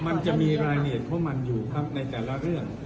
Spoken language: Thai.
มันจะมีรายละเอียดของมันอยู่ครับในแต่ละเรื่อง